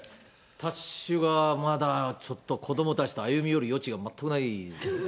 私はまだちょっと子どもたちと歩み寄る余地が全くないですね。